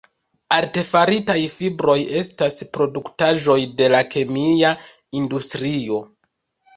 Artefaritaj fibroj estas produktaĵoj de la kemia industrio.